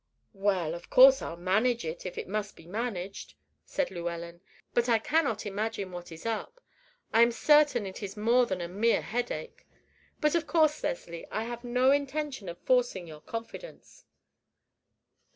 "Well, of course, I'll manage it if it must be managed," said Llewellyn; "but I cannot imagine what is up. I am certain it is more than a mere headache; but of course, Leslie, I have no intention of forcing your confidence."